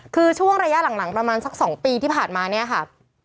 คือช่วงระยะหลังประมาณสัก๒ปีที่ผ่านมาเนี่ยค่ะ